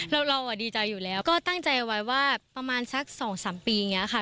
เราเราอ่ะดีใจอยู่แล้วก็ตั้งใจไว้ว่าประมาณสักสองสามปีเนี้ยค่ะ